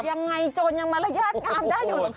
ยังไงโจรยังมารยาทงามได้อยู่หรอคะ